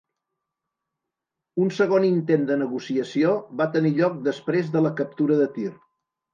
Un segon intent de negociació va tenir lloc després de la captura de Tir.